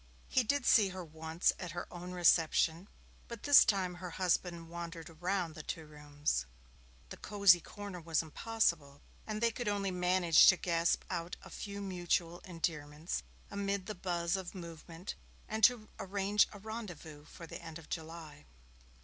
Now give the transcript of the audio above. He did see her once at her own reception, but this time her husband wandered about the two rooms. The cosy corner was impossible, and they could only manage to gasp out a few mutual endearments amid the buzz and movement, and to arrange a rendezvous for the end of July.